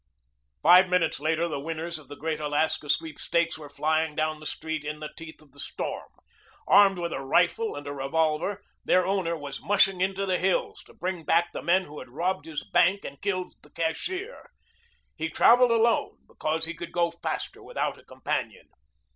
Five minutes later the winners of the great Alaska Sweepstakes were flying down the street in the teeth of the storm. Armed with a rifle and a revolver, their owner was mushing into the hills to bring back the men who had robbed his bank and killed the cashier. He traveled alone because he could go faster without a companion.